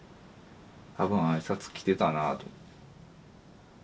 多分挨拶来てたなと。